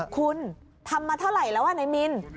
คุณทำมาเท่าไหร่แล้วนายมิน